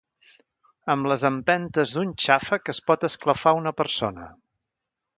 Amb les empentes d'un xàfec es pot esclafar a una persona